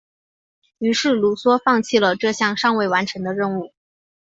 于是卢梭放弃了这项尚未完成的任务。